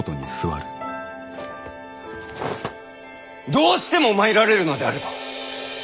どうしても参られるのであればこの家康